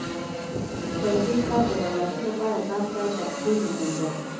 پر دې کار د برلاسۍ لپاره ځان ته تلقين مهم دی.